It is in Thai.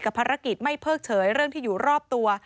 ภารกิจไม่เพิกเฉยเรื่องที่อยู่รอบตัว